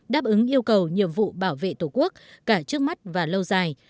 đáp ứng yêu cầu nhiệm vụ bảo vệ tổ quốc cả trước mắt và lâu dài